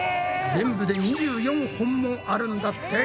全部で２４本もあるんだって！